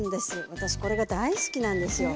私これが大好きなんですよ。